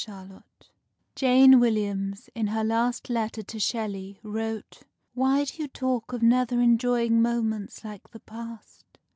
BUONA NOTTE Jane Williams, in her last letter to Shelley, wrote: "Why do you talk of never enjoying moments like the past?